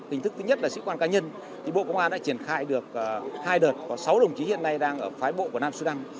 hình thức thứ nhất là sĩ quan cá nhân bộ công an đã triển khai được hai đợt có sáu đồng chí hiện nay đang ở phái bộ của nam sudan